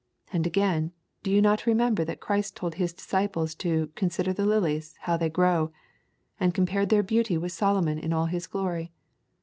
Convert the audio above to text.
And again, do you not remem ber that Christ told his disciples to 'consider the lilies how they grow,' and compared their beauty with Solomon in all his glory?